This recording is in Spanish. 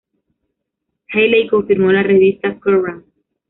Hayley confirmó a la revista "Kerrang!